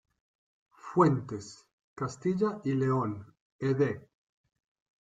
Fuentes: Castilla y León- Ed.